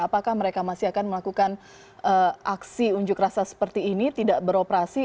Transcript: apakah mereka masih akan melakukan aksi unjuk rasa seperti ini tidak beroperasi